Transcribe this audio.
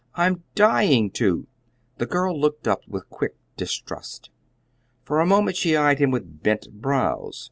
"I'm dying to!" The girl looked up with quick distrust. For a moment she eyed him with bent brows.